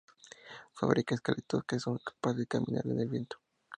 Fabrica esqueletos que son capaces de caminar en el viento.